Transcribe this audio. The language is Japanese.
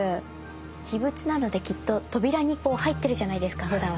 秘仏なのできっと扉に入ってるじゃないですかふだんは。